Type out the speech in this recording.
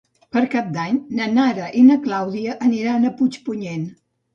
Per Cap d'Any na Nara i na Clàudia aniran a Puigpunyent.